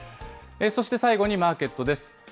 そして最後にマーケットです。